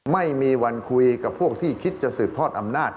ไม่มีวันคุยกับพวกที่คิดจะสืบทอดอำนาจ